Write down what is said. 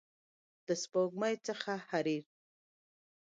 د سپوږمۍ څخه حریر